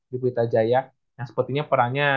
di buita jaya yang sepertinya perannya